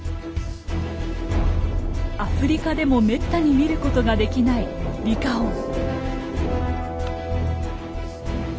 アフリカでもめったに見ることができないリカオン。